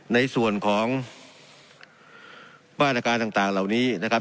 ในส่วนของบ้านการต่างต่างเหล่านี้นะครับ